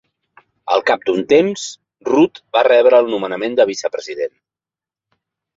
Al cap d'un temps, Root va rebre el nomenament de vicepresident.